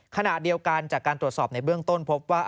ขณะเดียวกันจากการตรวจสอบในเบื้องต้นพบว่า